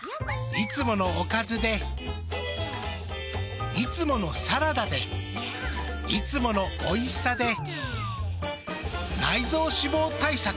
いつものおかずでいつものサラダでいつものおいしさで内臓脂肪対策。